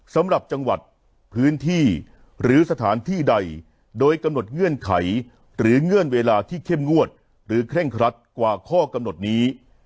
สำหรับจังหวัดพื้นที่หรือสถานที่ใดโดยกำหนดเงื่อนไขหรือเงื่อนเวลาที่เข้มงวดหรือเคร่งครัดกว่าข้อกำหนดนี้